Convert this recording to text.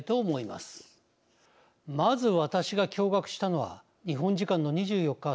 まず私が驚がくしたのは日本時間の２４日朝。